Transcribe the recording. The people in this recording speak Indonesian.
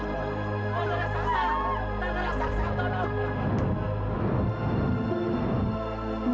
tidak ada saksa tidak ada saksa